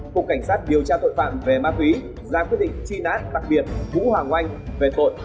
cục cảnh sát điều tra tội phạm về ma túy ra quyết định truy nã đặc biệt vũ hoàng oanh về tội